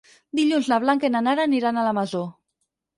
Dilluns na Blanca i na Nara aniran a la Masó.